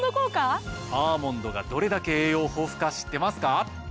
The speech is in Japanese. アーモンドがどれだけ栄養豊富か知ってますか？